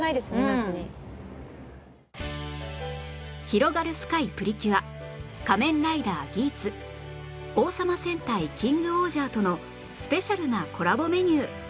『ひろがるスカイ！プリキュア』『仮面ライダーギーツ』『王様戦隊キングオージャー』とのスペシャルなコラボメニュー